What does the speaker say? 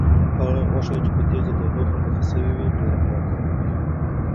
هغه غوښه چې په تیزه تودوخه پخه شوې وي، ډېره پاکه وي.